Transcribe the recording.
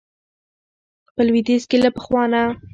په لويديځ کې له پخوا نه